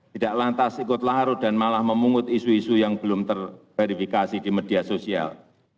tidak lantas ikut larut dan malah memungut isu isu yang belum terverifikasi di media sosial